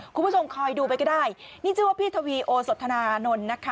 คุณผู้ชมคอยดูไปก็ได้นี่คือว่าพี่ทวีโอสธนานนท์นะคะ